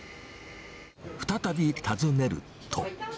再び訪ねると。